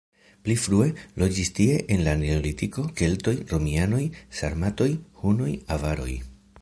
Pli frue loĝis tie en la neolitiko, keltoj, romianoj, sarmatoj, hunoj, avaroj.